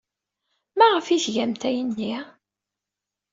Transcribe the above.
Maɣef ay tgamt ayenni?